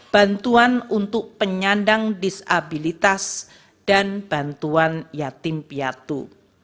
bantuan untuk penyandang disabilitas dan bantuan yatim piatu